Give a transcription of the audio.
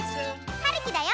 はるきだよ！